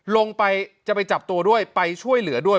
ลงไปจะไปจับตัวด้วยไปช่วยเหลือด้วย